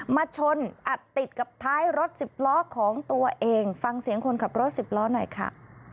มาชนอัดติดกับท้ายรถสิบล้อของตัวเองฟังเสียงคนขับรถสิบล้อหน่อยค่ะ